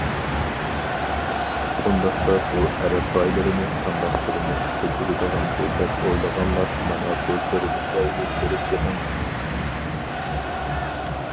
ئۇنداقتا بۇ ئەرەب بايلىرىنى قانداق تۇرمۇش كەچۈرىدىغاندۇ دەپ ئويلىغانلار مانا بۇ كۆرۈنۈشلەرنى كۆرۈپ بېقىڭلار.